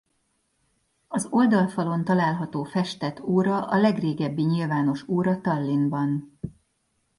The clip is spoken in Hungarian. Az oldalfalon található festett óra a legrégebbi nyilvános óra Tallinnban.